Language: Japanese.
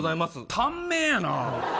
短命やな。